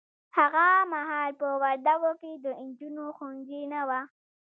هغه محال په وردګو کې د نجونو ښونځي نه وه